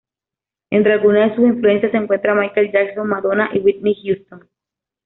Entre algunas de sus influencias se encuentran Michael Jackson, Madonna y Whitney Houston.